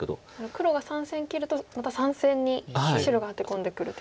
黒が３線切るとまた３線に白がアテ込んでくる手が。